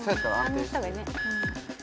３にした方がいいね。